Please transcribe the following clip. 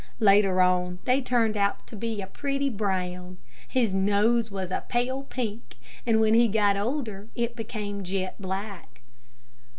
Later on, they turned out to be a pretty brown. His nose was pale pink, and when he got older, it became jet black.